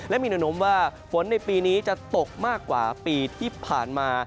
และมีแนวโน้มว่าฝนในปีนี้จะตกมากกว่าปีที่ผ่านมา